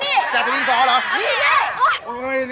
แกจะยินสอบเหรอ